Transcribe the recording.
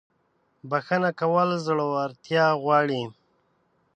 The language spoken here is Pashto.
• بخښنه کول زړورتیا غواړي.